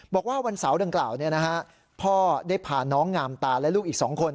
บอกว่าวันเสาร์ดังกล่าวพ่อได้พาน้องงามตาและลูกอีก๒คน